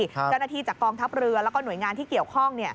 เจ้าหน้าที่จากกองทัพเรือแล้วก็หน่วยงานที่เกี่ยวข้อง